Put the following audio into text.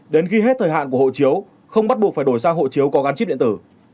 đến khi hết thời hạn của hộ chiếu không bắt buộc phải đổi sang hộ chiếu có gắn chip điện tử